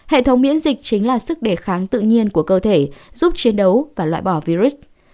hệ thống miễn dịch chính là sức đề kháng tự nhiên của cơ thể giúp chiến đấu và loại bỏ virus